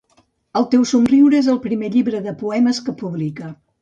El teu somriure és el primer llibre de poemes que publica.